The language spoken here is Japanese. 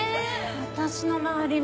私の周り